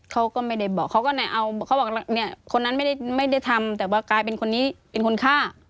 เขาก็ไม่ได้บอกเขาก็ได้เอาเขาบอกเนี่ยคนนั้นไม่ได้ทำแต่ว่ากลายเป็นคนนี้เป็นคนฆ่า